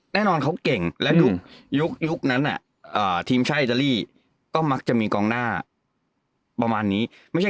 แน่นอนเขาเก่งและยุคนั้นทีมชาติอิตาลีก็มักจะมีกองหน้าประมาณนี้ไม่ใช่